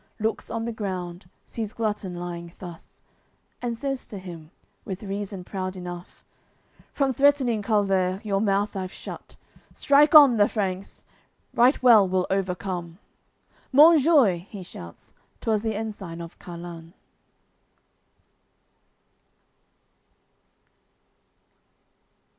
Looks on the ground, sees glutton lying thus, And says to him, with reason proud enough: "From threatening, culvert, your mouth I've shut. Strike on, the Franks! Right well we'll overcome." "Monjoie," he shouts, 'twas the ensign of Carlun.